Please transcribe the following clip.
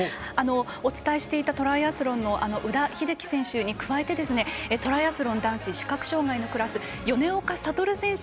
お伝えしていたトライアスロンの選手に続きトライアスロン男子視覚障がいのクラスの米岡聡選手